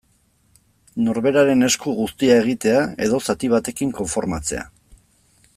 Norberaren esku guztia egitea, edo zati batekin konformatzea.